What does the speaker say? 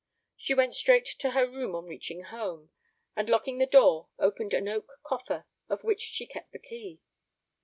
She went straight to her room on reaching home, and, locking the door, opened an oak coffer of which she kept the key.